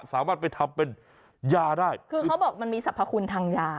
สามารถไปทำเป็นยาได้คือเขาบอกมันมีสรรพคุณทางยา